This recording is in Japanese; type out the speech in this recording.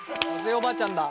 おばあちゃんだ。